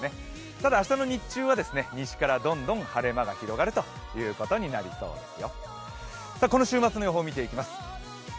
ただ、明日の日中は西から晴れ間が広がることになりそうです。